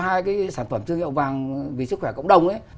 hai cái sản phẩm doanh nghiệp vàng vì sức khỏe cộng đồng ấy